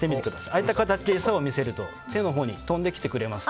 ああいった形で餌を見せると手のほうに飛んできてくれます。